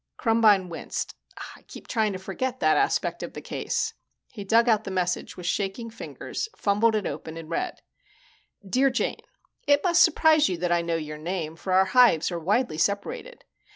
Krumbine winced. "I keep trying to forget that aspect of the case." He dug out the message with shaking fingers, fumbled it open and read: Dear Jane, _It must surprise you that I know your name, for our hives are widely separated.